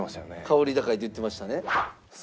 香り高いって言ってましたね。